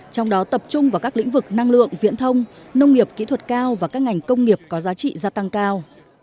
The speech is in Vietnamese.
trong đó tập trung vào các lĩnh vực năng lượng viễn thông nông nghiệp kỹ thuật cao và các ngành công nghiệp có giá trị gia tăng cao